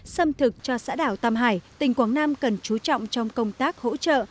xâm thực cho xã đảo tam hải tỉnh quảng nam cần chú trọng trong công tác hỗ trợ